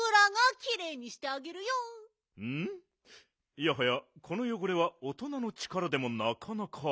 いやはやこのよごれは大人の力でもなかなか。